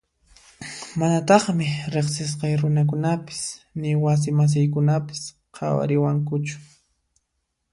Manataqmi riqsisqay runapis ni wasi masiykunapas qhawariwankuchu.